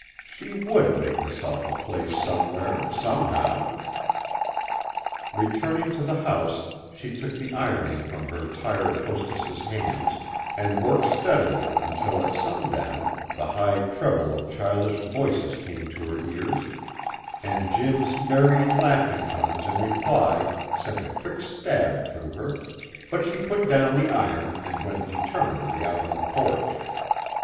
She would make herself a place somewhere, somehow. Returning to the house, she took the ironing from her tired hostess's hands, and worked steadily until at sundown the high treble of childish voices came to her ears, and Jim's merry, laughing tones in reply sent a quick stab through her, but she put down the iron and went determinedly out on the porch.